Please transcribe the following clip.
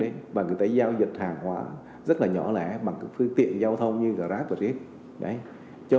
ngườiiao dịch hàng hóa như grab và ritz bằng phương tiện giao thông modest